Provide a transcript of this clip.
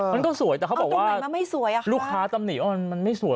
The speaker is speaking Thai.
มันก็สวยแต่เขาบอกว่าลูกค้าตำหนิว่ามันไม่สวย